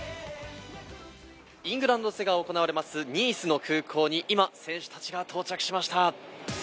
イングランド戦が行われます、ニースの空港に今、選手たちが到着しました。